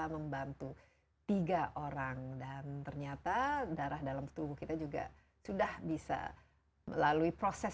membantu tiga orang dan ternyata darah dalam tubuh kita juga sudah bisa melalui proses